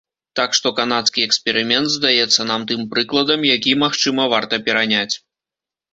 Так што канадскі эксперымент здаецца нам тым прыкладам, які, магчыма, варта пераняць.